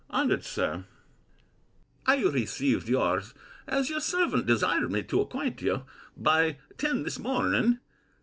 HONOURED SIR, I received your's, as your servant desired me to acquaint you, by ten this morning.